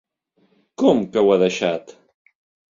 Com que ho ha deixat?